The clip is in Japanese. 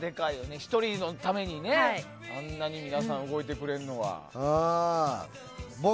１人のためにあんなに皆さん動いてくれるのは。